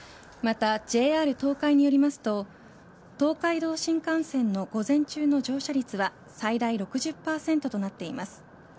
また、ＪＲ東海によりますと東海道新幹線の午前中の乗車率は最大６０％となっています。